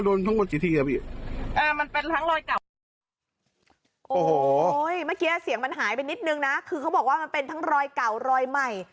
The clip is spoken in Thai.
โอ้โหเมื่อกี้เสียงมันหายไปนิดนึงนะคือเขาบอกว่ามันเป็นทั้งรอยเก่ารอยใหม่